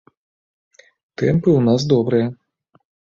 Тэмпы ў нас добрыя!